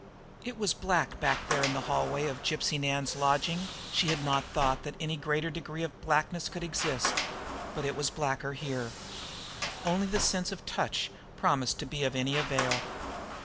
It was black back there in the hallway of Gypsy Nan's lodging; she had not thought that any greater degree of blackness could exist; but it was blacker here. Only the sense of touch promised to be of any avail.